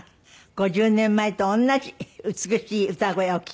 ５０年前と同じ美しい歌声をお聴きください。